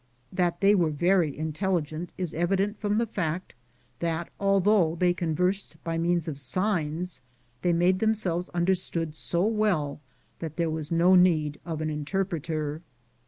That they were very intelli gent is evident from the fact that although they conversed by means of signs they made themselves understood so well that there was no need of an interpreter.